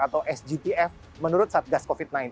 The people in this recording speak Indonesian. atau s gtf menurut satgas covid sembilan belas